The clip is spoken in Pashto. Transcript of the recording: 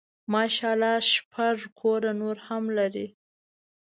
ماشاء الله شپږ کوره نور هم لري.